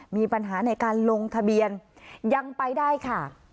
มีปัญหาในการลงทะเบียนยังไปได้ค่ะ